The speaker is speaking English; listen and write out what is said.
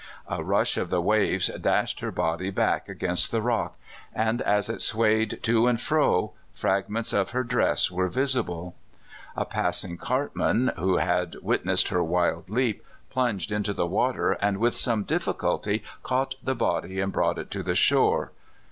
A rush of the waves dashed her body back against the rock, and, as it swayed to and fro, fragments NORTH BEACH, SAN FRANCISCO. II9 of her dress were visible. A passing cartman, who had witnessed her wild leap, plunged into the water, and with some difficulty caught the body and brought it to the shore.